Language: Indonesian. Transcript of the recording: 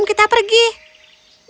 ayo kita mengambil lebih banyak lagi sebagian